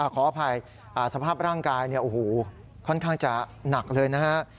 ขออภัยสภาพร่างกายค่อนข้างจะหนักเลยนะฮะ